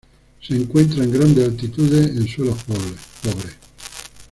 Se encuentra en grandes altitudes en suelos pobres.